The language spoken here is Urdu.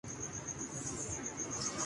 یہ نوجوان استاد بن جاتے ہیں۔